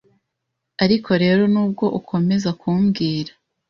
Ariko rero nubwo ukomeza kumbwira